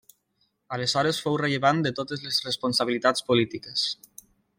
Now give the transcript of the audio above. Aleshores fou rellevant de totes les responsabilitats polítiques.